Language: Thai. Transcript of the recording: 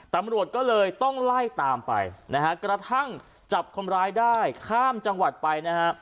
ตำรวจก็เลยต้องไล่ตามไปนะฮะกระทั่งจับคนร้ายได้ข้ามจังหวัดไปนะฮะ